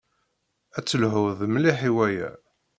Ad telhuḍ mliḥ i waya.